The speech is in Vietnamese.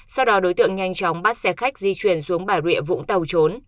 sau đó đối tượng nhanh chóng bắt xe khách di chuyển xuống bà rịa vũng tàu trốn